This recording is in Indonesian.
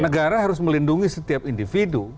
negara harus melindungi setiap individu